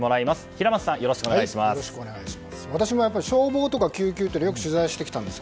平松さん、よろしくお願いします。